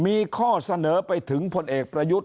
มีข้อเสนอไปถึงพลเอกประยุทธ์